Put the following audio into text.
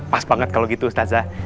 pas banget kalau gitu ustazah